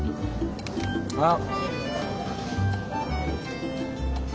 あっ。